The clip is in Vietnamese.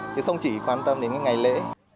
chứ không chỉ quan tâm đến ngày lễ